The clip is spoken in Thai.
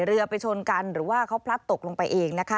เรือไปชนกันหรือว่าเขาพลัดตกลงไปเองนะคะ